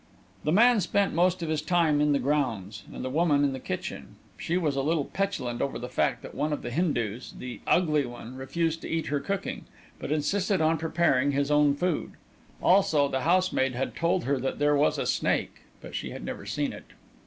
The man spent most of his time in the grounds, and the woman in the kitchen. She was a little petulant over the fact that one of the Hindus the "ugly one" refused to eat her cooking, but insisted on preparing his own food. Also, the housemaid had told her that there was a snake, but she had never seen it.